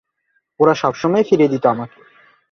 ওরা সবসময়েই ফিরিয়ে দিত আমাকে।